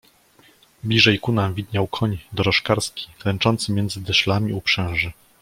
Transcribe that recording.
"Bliżej ku nam widniał koń dorożkarski, klęczący między dyszlami uprzęży."